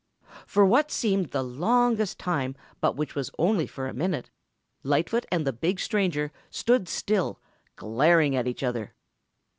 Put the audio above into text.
For what seemed like the longest time, but which was for only a minute, Lightfoot and the big stranger stood still, glaring at each other.